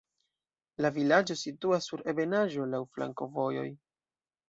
La vilaĝo situas sur ebenaĵo, laŭ flankovojoj.